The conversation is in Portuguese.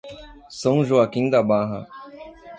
São Joaquim da Barra